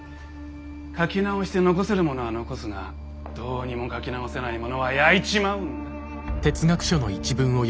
書き直して残せるものは残すがどうにも書き直せないものは焼いちまうんだ。